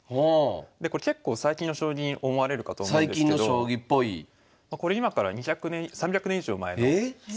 これ結構最近の将棋に思われるかと思うんですけどこれ今から江戸時代からあったんすか？